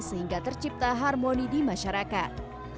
sehingga tercipta harmoni di masyarakat